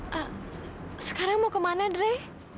tante sekarang mau kemana dre